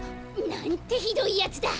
なんてひどいやつだ。